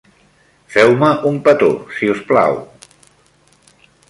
Feu-me un petó, si us plau.